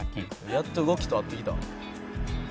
「やっと動きと合ってきた」